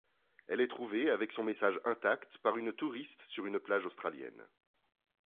Elle est trouvée avec son message intact par une touriste sur une plage australienne.